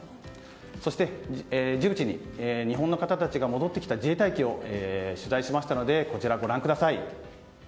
そして、ジブチに日本の方たちが戻ってきた自衛隊機を取材しましたのでこちらご覧ください。